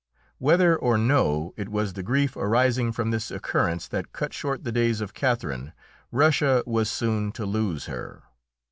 Whether or no it was the grief arising from this occurrence that cut short the days of Catherine, Russia was soon to lose her.